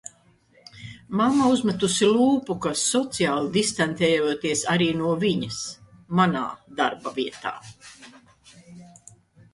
Mamma uzmetusi lūpu, ka sociāli distancējoties arī no viņas. Manā darbavietā.